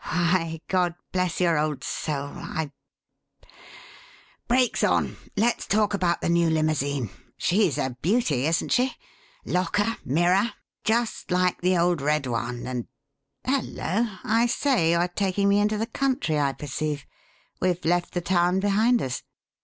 Why, God bless your old soul, I Brakes on! Let's talk about the new limousine. She's a beauty, isn't she? Locker, mirror: just like the old red one, and Hello! I say, you are taking me into the country, I perceive; we've left the town behind us."